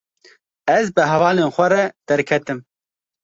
Ez bi hevalan xwe re derketim.